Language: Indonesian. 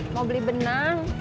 mau beli benang